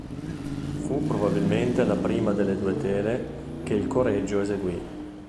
Fu probabilmente la prima delle due tele che il Correggio eseguì.